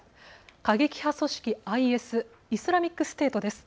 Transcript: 過激派組織ＩＳ＝イスラミックステートです。